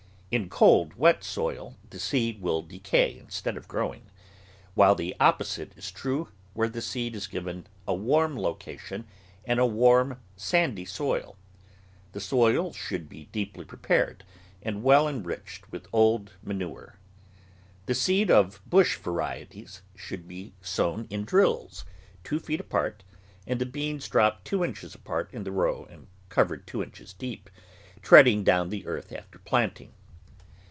In cold, wet soil the seed will decay in stead of growing, while the opposite is true where the seed is given a warm location and a warm, sandy soil. The soil should be deeply prepared and well enriched with old manure. The seed of bush varieties should be sown in drills, two feet apart, and the beans dropped two inches apart in the row and covered two inches deep, treading down the earth after planting.